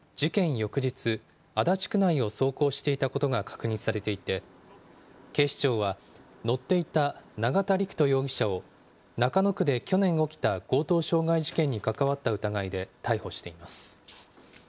翌日、足立区内を走行していたことが確認されていて、警視庁は、乗っていた永田陸人容疑者を中野区で去年起きた強盗傷害事件に関わった疑いで逮捕しています。